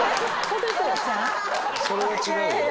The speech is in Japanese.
それは違うよ。